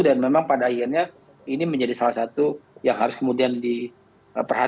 memang pada akhirnya ini menjadi salah satu yang harus kemudian diperhatikan